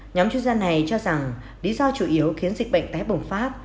nhóm chuyên gia này cho rằng lý do chủ yếu khiến dịch bệnh tái bùng phát